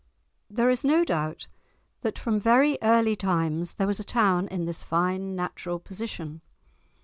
There is no doubt that from very early times there was a town in this fine natural position.